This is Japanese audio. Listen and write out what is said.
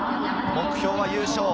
目標は優勝。